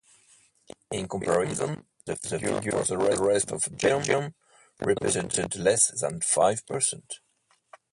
In comparison, the figure for the rest of Belgium represented less than five percent.